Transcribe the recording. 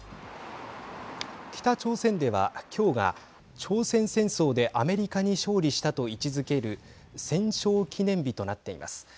北朝鮮では、きょうが朝鮮戦争でアメリカに勝利したと位置づける戦勝記念日となっています。